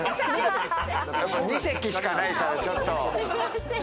２席しかないからちょっと。